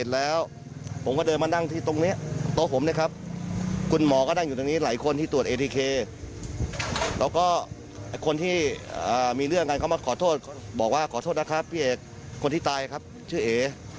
แล้วก็คนที่มีเรื่องกันเข้ามาขอโทษบอกว่าขอโทษนะครับพี่เอกคนที่ตายครับชื่อเอ